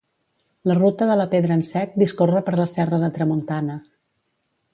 La Ruta de la Pedra en sec discorre per la serra de Tramuntana.